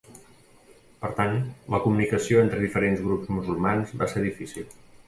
Per tant, la comunicació entre diferents grups musulmans va ser difícil.